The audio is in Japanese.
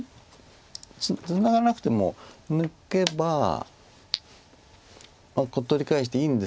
ツナがなくても抜けば取り返していいんですけども。